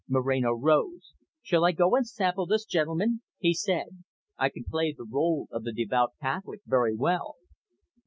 Moreno rose. "Shall I go and sample this gentleman?" he said. "I can play the role of the devout Catholic very well."